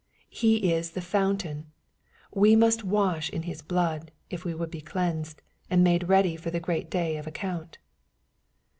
He is the fountain : we must wash in His blood, if we would be cleansed, and made ready for the great d^y of account.